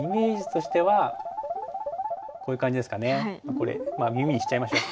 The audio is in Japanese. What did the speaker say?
これ耳にしちゃいましょう。